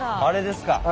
あれですか？